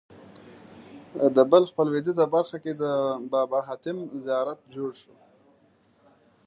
د بلخ په لوېدیځه برخه کې د بابا حاتم زیارت جوړ شو.